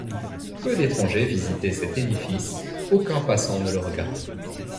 Peu d’étrangers visitaient cet édifice, aucun passant ne le regardait.